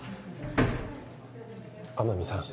天海さん